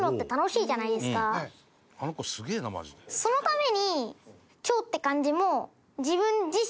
そのために。